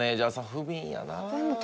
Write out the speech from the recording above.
不憫やなあ。